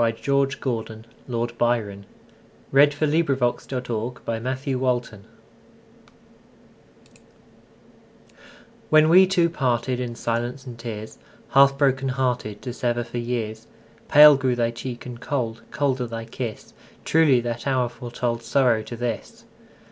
George Gordon, Lord Byron 468. When We Two Parted WHEN we two partedIn silence and tears, Half broken hearted, To sever for years, Pale grew thy cheek and cold, Colder thy kiss; Truly that hour foretoldSorrow to this!